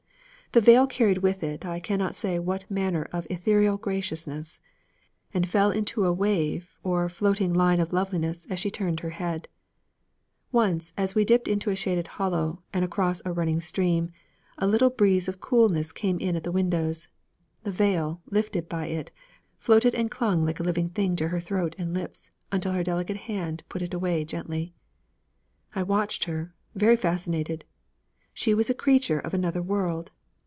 The veil carried with it I cannot say what manner of ethereal graciousness, and fell into a wave or floating line of loveliness as she turned her head. Once, as we dipped into a shaded hollow and across a running stream, a little breeze of coolness came in at the windows. The veil, lifted by it, floated and clung like a living thing to her throat and lips, until her delicate hand put it away gently. I watched her, very fascinated. She was a creature of another world.